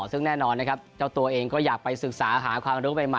ซึ่งแน่นอนนะครับเจ้าตัวเองก็อยากไปศึกษาหาความรู้ใหม่